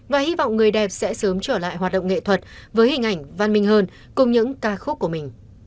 và hy vọng người đẹp sẽ sớm trở lại hoạt động nghệ thuật với hình ảnh văn minh hơn cùng những ca khúc của mình